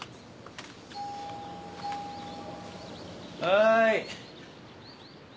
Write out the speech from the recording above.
はい。